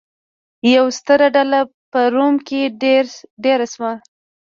یوه ستره ډله په روم کې دېره شوه.